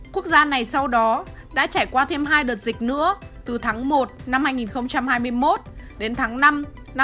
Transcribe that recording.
quốc gia này sau đó đã trải qua thêm hai đợt dịch nữa từ tháng một năm hai nghìn hai mươi một đến tháng năm năm hai nghìn hai mươi